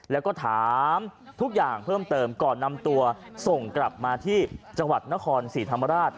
แล้วก็ถามทุกอย่างเพิ่มเติมก่อนนำตัวส่งกลับมาที่จังหวัดนครศรีธรรมราช